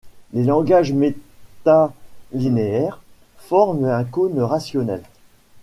Les langages métalinéaires forment un cône rationnel.